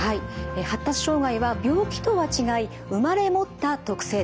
発達障害は病気とは違い生まれ持った特性です。